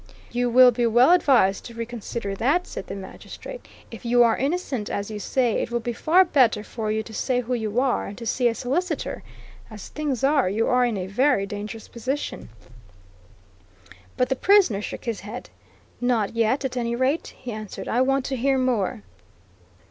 "You will be well advised to reconsider that," said the magistrate. "If you are innocent, as you say, it will be far better for you to say who you are, and to see a solicitor. As things are, you are in a very dangerous position." But the prisoner shook his head. "Not yet, at any rate," he answered. "I want to hear more."